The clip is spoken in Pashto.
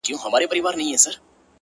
لکه رېل گاډې کرښې داسې منحني پروت يمه!!